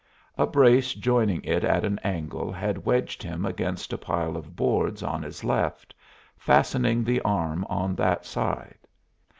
A brace joining it at an angle had wedged him against a pile of boards on his left, fastening the arm on that side.